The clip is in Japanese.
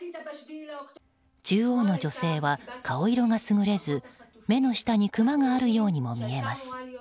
中央の女性は顔色が優れず目の下にクマがあるようにも思えます。